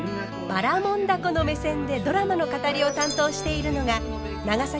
ばらもん凧の目線でドラマの語りを担当しているのがこれがね